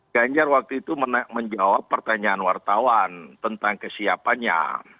ganjar waktu itu menjawab pertanyaan wartawan tentang kesiapannya